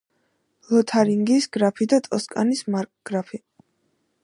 ლოთარინგიის გრაფი და ტოსკანის მარკგრაფი.